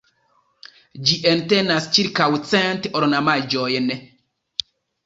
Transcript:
Ĝi entenas ĉirkaŭ cent ornamaĵojn.